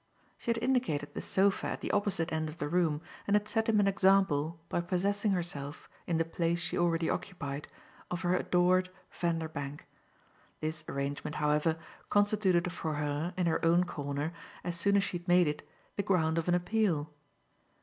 She had indicated the sofa at the opposite end of the room and had set him an example by possessing herself, in the place she already occupied, of her "adored" Vanderbank. This arrangement, however, constituted for her, in her own corner, as soon as she had made it, the ground of an appeal.